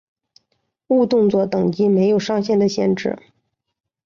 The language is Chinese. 误动作等级没有上限的限制。